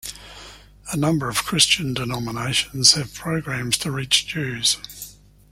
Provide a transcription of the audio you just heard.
A number of Christian denominations have programs to reach Jews.